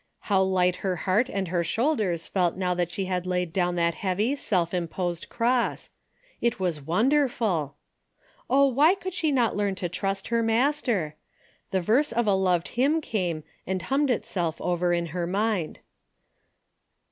How light her heart and her shoulders felt now that she had laid down that heavy self imposed cross ! It was won derful ! Oh, why could she not learn to trust her Master ? The verse of a loved hymn came and hummed itself over in her mind.